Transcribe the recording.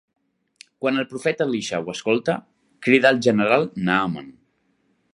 Quan el profeta Elisha ho escolta, crida al general Naaman.